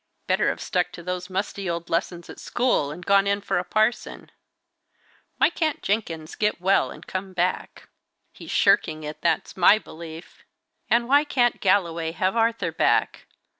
Better have stuck to those musty old lessons at school, and gone in for a parson! Why can't Jenkins get well, and come back? He's shirking it, that's my belief. And why can't Galloway have Arthur back?